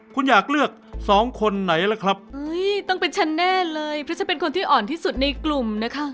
คุณอยากเลือกสองคนไหนล่ะครับต้องเป็นฉันแน่เลยเพราะฉันเป็นคนที่อ่อนที่สุดในกลุ่มนะคะ